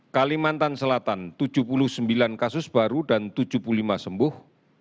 kalimantan selatan tujuh puluh sembilan kasus baru dan tujuh puluh lima sembuh